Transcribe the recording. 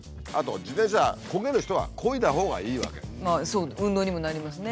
あとまあそう運動にもなりますね。